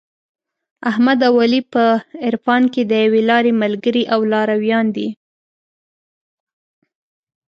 احمد او علي په عرفان کې د یوې لارې ملګري او لارویان دي.